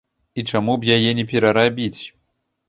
І чаму б яе не перарабіць?